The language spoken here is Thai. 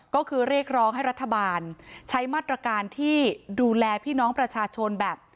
ก็คือเรียกร้องให้รัฐบาลใช้มาตรการที่ดูแลพี่น้องประชาชนแบบ